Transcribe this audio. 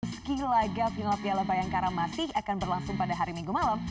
meski laga final piala bayangkara masih akan berlangsung pada hari minggu malam